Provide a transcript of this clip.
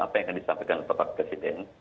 apa yang akan disampaikan bapak presiden